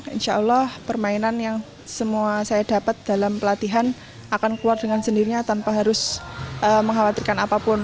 insya allah permainan yang semua saya dapat dalam pelatihan akan keluar dengan sendirinya tanpa harus mengkhawatirkan apapun